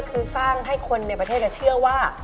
คือสร้างให้คนในประเทศเชื่อว่า